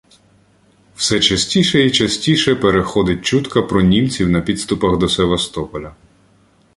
Все частіше і частіше переходить чутка про «німців на підступах до Севастополя».